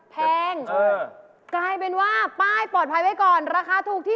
เท่าไร